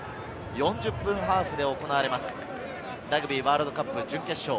４０分ハーフで行われます、ラグビーワールドカップ準決勝。